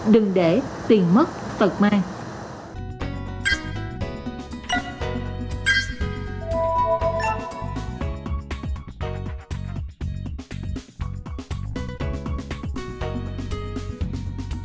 đừng để tiền mất phật mai